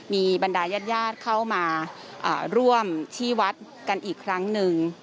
มีบรรดายาดเข้ามาร่วมที่วัดกันอีกครั้งหนึ่ง